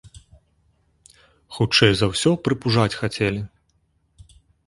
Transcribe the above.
Хутчэй за ўсё, прыпужаць хацелі.